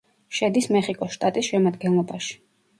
შედის მეხიკოს შტატის შემადგენლობაში.